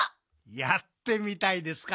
やってみたいですか？